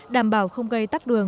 đảm bảo không gây tắc đường